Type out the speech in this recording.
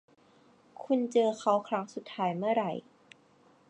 คุณเจอเค้าครั้งสุดท้ายเมื่อไหร่